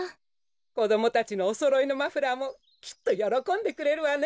こどもたちのおそろいのマフラーもきっとよろこんでくれるわね。